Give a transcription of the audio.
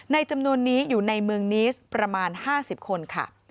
จำนวนนี้อยู่ในเมืองนิสประมาณ๕๐คนค่ะ